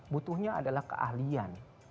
butuhnya adalah keahlian